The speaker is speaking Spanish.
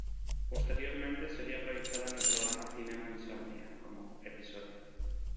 Posteriormente sería proyectada en el programa "Cinema Insomnia" como episodio.